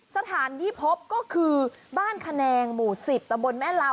สถานที่พบก็คือบ้านขนงหมู่๑๐ตำบลแม่ล้ำ